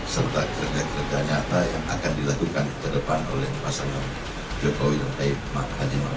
serta kerja kerja nyata yang akan dilakukan ke depan oleh pasangan jokowi mahadiman